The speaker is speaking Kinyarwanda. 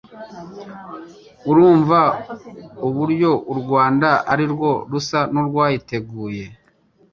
urumva uburyo u Rwanda arirwo rusa n'urwayiteguy